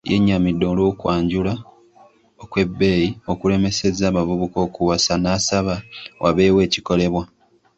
Yennyamidde olw'okwanjula okwebbeyi okulemesezza abavubuka okuwasa n'asaba wabeewo ekikolebwa.